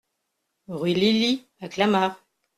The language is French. Rue Lily à Clamart